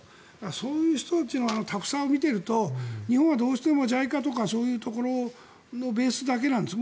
そういう人たちをたくさん見ていると日本はどうしてもＪＩＣＡとかそういうところのベースだけなんです。